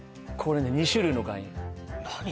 これね２種類の岩塩何？